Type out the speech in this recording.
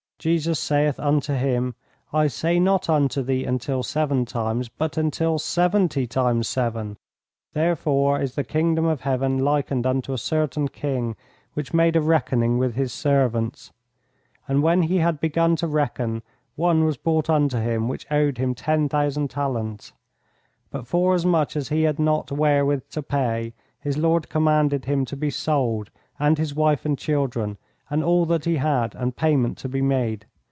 Jesus saith unto him, I say not unto thee until seven times, but until seventy times seven. "Therefore is the Kingdom of Heaven likened unto a certain king which made a reckoning with his servants. And when he had begun to reckon, one was brought unto him which owed him ten thousand talents. But forasmuch as he had not wherewith to pay, his lord commanded him to be sold, and his wife and children, and all that he had, and payment to be made.